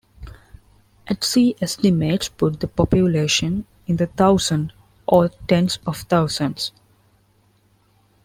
At sea estimates put the population in the thousands or tens of thousands.